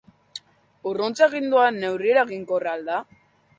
Urruntze agindua, neurri eraginkorra al da?